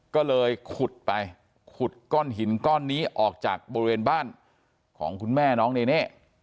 ก็เลยขุดไปขุดก้อนหินก้อนนี้ออกจากบริเวณบ้านของคุณแม่น้องเนเน่